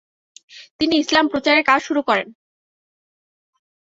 তিনি ইসলাম প্রচারের কাজ শুরু করেন।